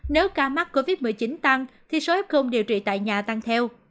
nếu ca mắc covid một mươi chín tăng thì số f điều trị tại nhà tăng theo